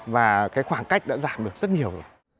và khoảng cách đã giảm được rất nhiều